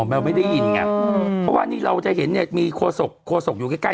เราไม่ได้ยินไงเพราะว่านี่เราก็จะเห็นควสกอยู่ใกล้